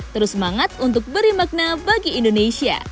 terus semangat untuk beri makna bagi indonesia